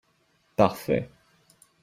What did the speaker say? Parfait